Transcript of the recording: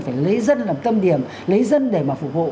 phải lấy dân làm tâm điểm lấy dân để mà phục vụ